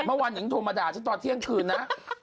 เมื่อวานนิ้งโดนมาด่าชอบด้านเที่ยงคืนนะ